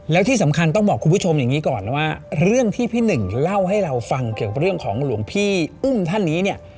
แล้วที่สำคัญต้องบอกคุณผู้ชมอย่างนี้ก่อนนะว่าเรื่องที่พี่หนึ่งเล่าให้เราฟังเกี่ยวกับเรื่องของหลวงพี่อุ้มท่านนี้เนี่ย